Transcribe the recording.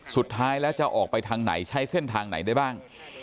สุดท้ายแล้วจะออกไปทางไหนใช้เส้นทางไหนได้บ้าง